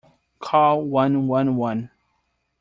Call one one one.